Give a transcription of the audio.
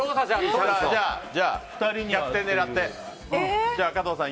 じゃあ逆転狙って。